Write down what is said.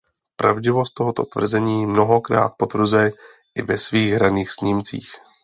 Pravdivost tohoto tvrzení mnohokrát potvrzuje i ve svých hraných snímcích.